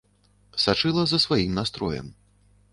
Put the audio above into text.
Сачыла за сваім настроем.